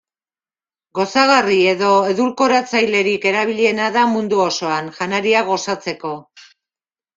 Gozagarri edo edulkoratzailerik erabiliena da mundu osoan, janariak gozatzeko.